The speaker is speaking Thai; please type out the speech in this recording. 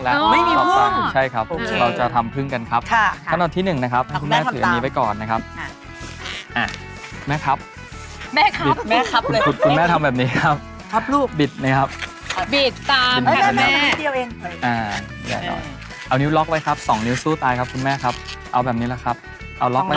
แต่สำหรับคนที่เขามีทักษะมันดูง่ายมากเลย